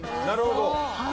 なるほど。